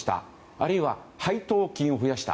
あるいは配当金を増やした。